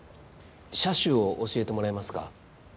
車種を教えてもらえますか？